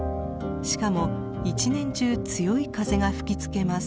しかも一年中強い風が吹きつけます。